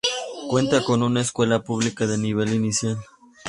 Cuenta con una escuela pública de nivel inicial.